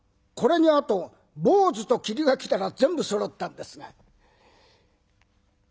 これにあと坊主と桐が来たら全部そろったんですが。